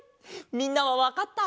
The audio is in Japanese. みんなはわかった？